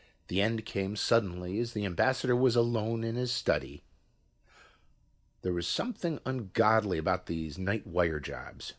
The end came suddenly as the ambassador was alone in his study...." There is something ungodly about these night wire jobs.